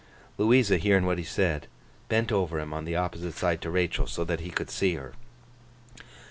Louisa hearing what he said, bent over him on the opposite side to Rachael, so that he could see her.